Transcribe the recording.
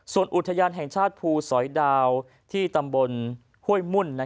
ส่วนอุทยานแห่งชาติภูสอยดาวที่ตำบลห้วยมุ่น